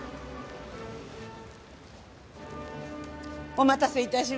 お待たせ致しました。